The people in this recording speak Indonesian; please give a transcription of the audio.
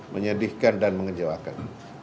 menyedihkan dan mengejauhkan